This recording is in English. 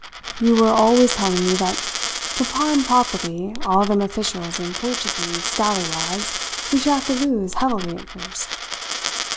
You were always telling me that to prime properly all them officials and Portuguese scallywags we should have to lose heavily at first.